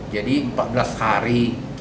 jadi empat belas hari